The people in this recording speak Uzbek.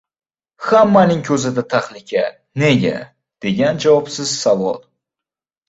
Hammaning ko‘zida tahlika «Nega?» degan javobsiz savol.